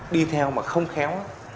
đi theo mà không khéo